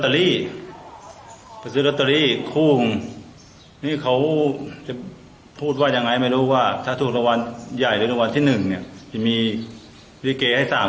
แล้วก็หลังปิดท้องไปลงไปที่หน้ามันดก